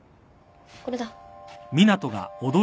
これだ。